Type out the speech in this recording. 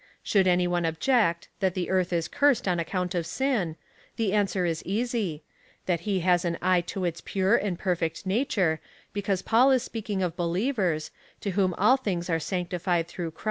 Should any one object, that the earth is cursed on account of sin, the answer is easy — that he has an eye to its pure and perfect nature, because Paul is speaking of believers, to whom all things are sanctified through Christ.